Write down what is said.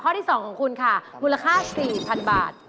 ที่๒ของคุณค่ะมูลค่า๔๐๐๐บาท